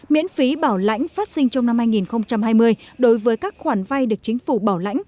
miễn phí bảo lãnh phát sinh trong năm hai nghìn hai mươi đối với các khoản vay được chính phủ bảo lãnh